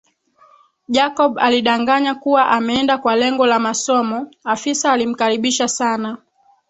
Jacob alidanganya kuwa ameenda kwa lengo la masomo afisa alimkaribisha sana